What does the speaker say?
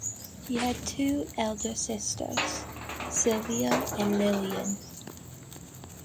He had two elder sisters, Sylvia and Lillian.